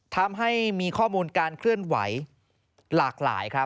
ทำให้มีข้อมูลการเคลื่อนไหวหลากหลายครับ